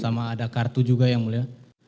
sama ada kartu juga yang mulia